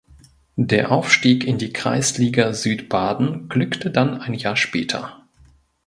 Der Aufstieg in die "Kreisliga Südbaden" glückte dann ein Jahr später.